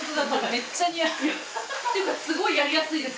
っていうかすごいやりやすいです。